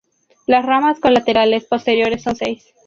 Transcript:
Las ramas colaterales posteriores son seis.